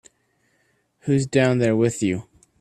Who's down there with you?